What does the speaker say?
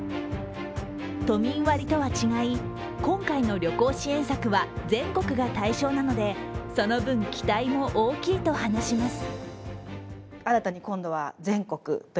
都民割とは違い、今回の旅行支援策は全国が対象なのでその分、期待も大きいと話します。